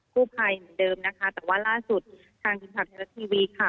เหมือนเดิมนะคะแต่ว่าล่าสุดทางกิจกรรมชาติธรรมชาติทีวีค่ะ